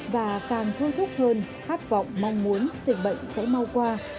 và càng thơ thức hơn khát vọng mong muốn dịch bệnh sẽ mau qua